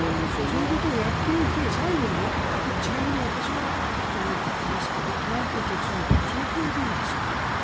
そういうことをやっておいて最後に、いや、ちなみに私はタートルネックを着ますけどとか都知事そのくらいでいいんです。